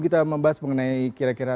kita membahas mengenai kira kira